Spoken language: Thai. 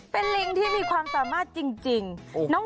เป็นลิงที่มีความสามารถจริง